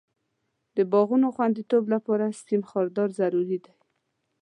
د باغونو خوندیتوب لپاره سیم خاردار ضرور دی.